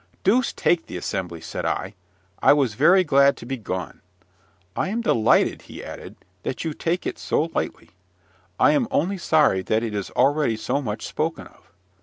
"Deuce take the assembly!" said I. "I was very glad to be gone." "I am delighted," he added, "that you take it so lightly. I am only sorry that it is already so much spoken of."